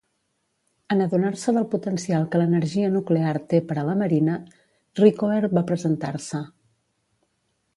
En adonar-se del potencial que l'energia nuclear té per a la marina, Rickover va presentar-se.